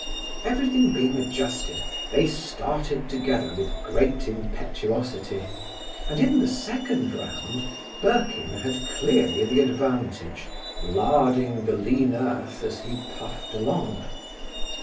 Every thing being adjusted, they started together with great impetuosity, and, in the second round, Birkin had clearly the advantage, larding the lean earth as he puff'd along.